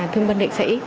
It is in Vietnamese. thương binh liệt sĩ